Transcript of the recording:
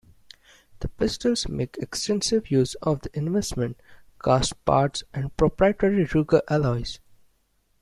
The pistols make extensive use of investment-cast parts and proprietary Ruger alloys.